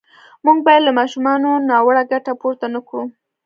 موږ باید له ماشومانو ناوړه ګټه پورته نه کړو.